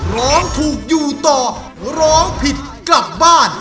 ร้องถูกอยู่ต่อร้องผิดกลับบ้าน